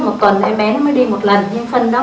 một tuần thì em bé nó mới đi một lần nhưng phân đó